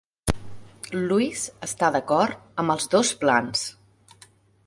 Louise està d'acord amb els dos plans.